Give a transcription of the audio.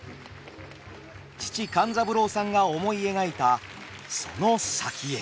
父勘三郎さんが思い描いたその先へ。